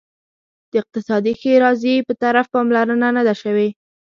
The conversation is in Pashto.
د اقتصادي ښیرازي په طرف پاملرنه نه ده شوې.